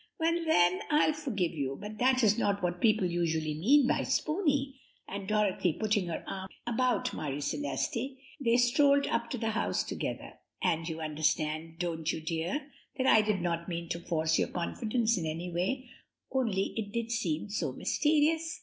Well, then, I'll forgive you; but that is not what people usually mean by spooney," and Dorothy putting her arm about Marie Celeste, they strolled up to the house together. "And you understand don't you, dear? that I did not mean to force your confidence in any way, only it did seem so mysterious?"